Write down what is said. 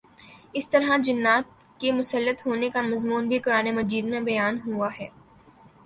اسی طرح جنات کے مسلط ہونے کا مضمون بھی قرآنِ مجید میں بیان ہوا ہے